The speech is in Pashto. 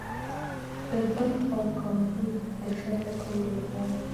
د بنګ او کامرود د فتح کولو لپاره.